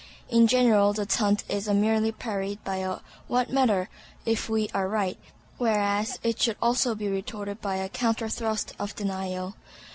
In general the taunt is merely parried by a "What matter, if we are right?" whereas it should also be retorted by a counter thrust of denial.